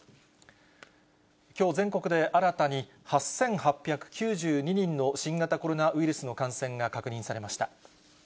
きょう全国で新たに８８９２人の新型コロナウイルスの感染が確認されました。